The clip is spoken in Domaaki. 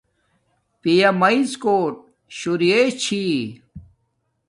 پیا مید کوٹ شوریش چھی